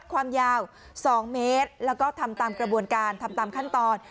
ความยาว๒เมตรแล้วก็ทำตามกระบวนการทำตามขั้นตอน